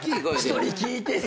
人に聞いてさ。